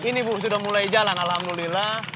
ini bu sudah mulai jalan alhamdulillah